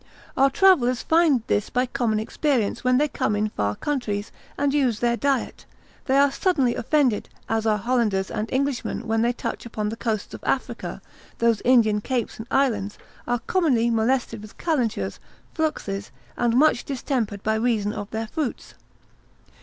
Our travellers find this by common experience when they come in far countries, and use their diet, they are suddenly offended, as our Hollanders and Englishmen when they touch upon the coasts of Africa, those Indian capes and islands, are commonly molested with calentures, fluxes, and much distempered by reason of their fruits.